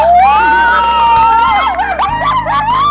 wah aku seneng banget